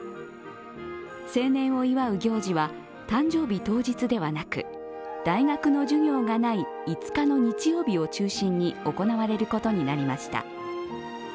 成年を祝う行事は誕生日当日ではなく大学の授業がない５日の日曜日を中心に行われることになりました。